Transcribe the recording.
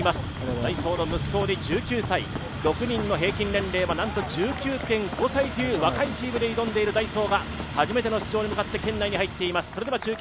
ダイソーのムッソーニ、１９歳６人の平均年齢は１９．５歳という若いチームで挑んでいるダイソーが初めての出場に向かって圏内に入っています。